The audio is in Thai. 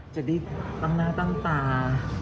จะได้ตั้งหน้าตั้งตา